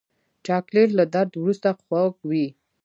چاکلېټ له درد وروسته خوږ وي.